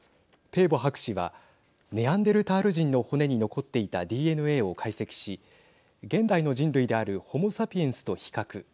ペーボ博士はネアンデルタール人の骨に残っていたＤＮＡを解析し現代の人類であるホモ・サピエンスと比較。